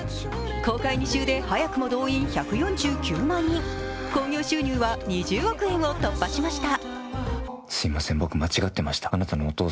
公開２週で早くも動員１４９万人興行収入は２０億円を突破しました。